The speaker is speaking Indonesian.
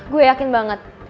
gue yakin banget